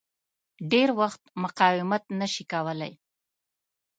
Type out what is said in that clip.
ډېر وخت مقاومت نه شي کولای.